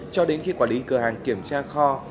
cho đến khi quản lý cửa hàng kiểm tra kho